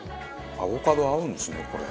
アボカド合うんですねこれ。